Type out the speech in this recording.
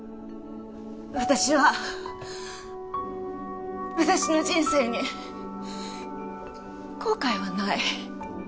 私は私の人生に後悔はない。